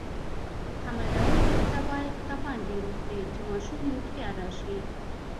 حمل لرونکي خزه باید کبان ډیر وخوري، چی ماشوم یی هوښیار راشي.